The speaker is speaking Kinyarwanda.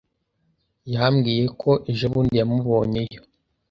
Yambwiye ko ejobundi yamubonyeyo.